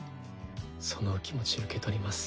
そのお気持ち受け取ります。